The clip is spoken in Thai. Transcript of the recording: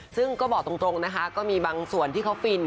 ซึ่งก็บอกตรงนะคะก็มีบางส่วนที่เขาฟิน